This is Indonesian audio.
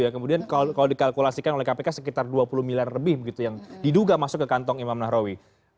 kemudian kalau dikalkulasikan oleh kpk sekitar dua puluh miliar lebih begitu yang diduga masuk ke kantong imam nahrawi